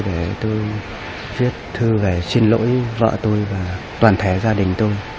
để tôi viết thư về xin lỗi vợ tôi và toàn thể gia đình tôi